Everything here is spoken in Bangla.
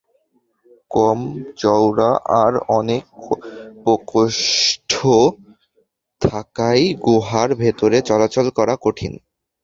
কম চওড়া আর অনেক প্রকোষ্ঠ থাকায় গুহার ভেতরে চলাচল করা কঠিন।